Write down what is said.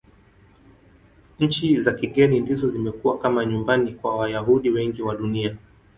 Nchi za kigeni ndizo zimekuwa kama nyumbani kwa Wayahudi wengi wa Dunia.